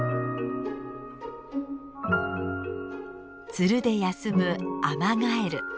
ツルで休むアマガエル。